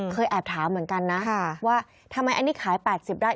เคยแอบถามเหมือนกันนะว่าทำไมอันนี้ขาย๘๐ได้